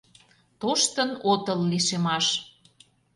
Тоштын отыл лишемаш.